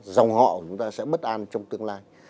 dòng họ của chúng ta sẽ bất an trong tương lai